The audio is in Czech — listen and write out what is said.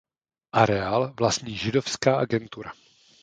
Areál vlastní Židovská agentura.